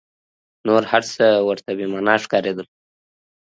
نور هر څه ورته بې مانا ښکارېدل.